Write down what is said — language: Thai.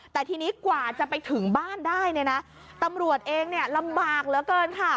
แต่ทีนี้กว่าจะไปถึงบ้านได้เนี่ยนะตำรวจเองเนี่ยลำบากเหลือเกินค่ะ